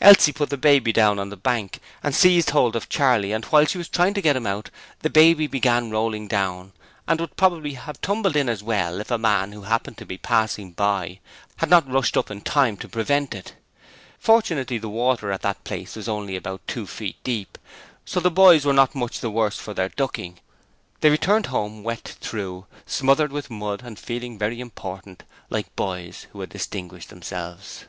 Elsie put the baby down on the bank and seized hold of Charley and while she was trying to get him out, the baby began rolling down, and would probably have tumbled in as well if a man who happened to be passing by had not rushed up in time to prevent it. Fortunately the water at that place was only about two feet deep, so the boys were not much the worse for their ducking. They returned home wet through, smothered with mud, and feeling very important, like boys who had distinguished themselves.